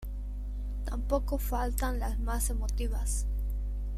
Tampoco faltan las más emotivas